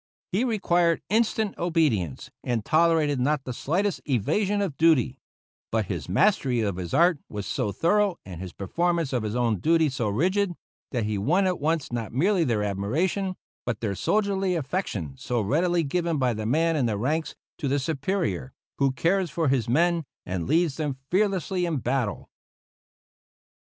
He required instant obedience, and tolerated not the slightest evasion of duty; but his mastery of his art was so thorough and his performance of his own duty so rigid that he won at once not merely their admiration, but that soldierly affection so readily given by the man in the ranks to the superior who cares for his men and leads them fearlessly in battle.